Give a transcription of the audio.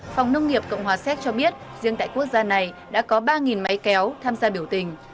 phòng nông nghiệp cộng hòa séc cho biết riêng tại quốc gia này đã có ba máy kéo tham gia biểu tình